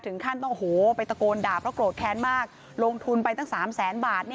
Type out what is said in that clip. ถึงขั้นไปตะโกนดาบแล้วกรดแค้นมากลงทุนไปตั้ง๓๐๐๐๐๐บาท